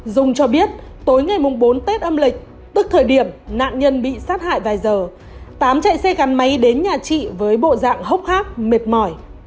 dung cho biết tối ngày bốn tết âm lịch tức thời điểm nạn nhân bị sát hại vài giờ tám chạy xe gắn máy đến nhà chị với bộ dạng hốc hác mệt mỏi